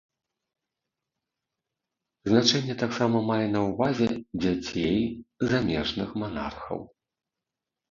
Значэнне таксама мае на ўвазе дзяцей замежных манархаў.